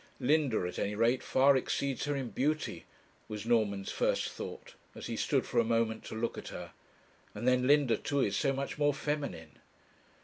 'Linda, at any rate, far exceeds her in beauty,' was Norman's first thought, as he stood for a moment to look at her 'and then Linda too is so much more feminine.'